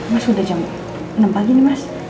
mas sudah jam enam pagi nih mas